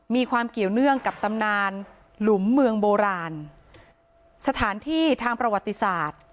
มีความเกี่ยวเนื่องกับตำนานหลุมเมืองโบราณสถานที่ทางประวัติศาสตร์